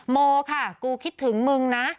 โมค่ะกูคิดถึงมึงนะ